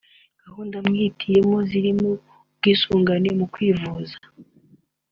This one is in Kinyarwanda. gahunda mwihitiyemo zirimo ubwisungane mu kwivuza